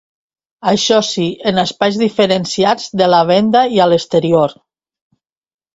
Això sí, en espais diferenciats de la venda i a l’exterior.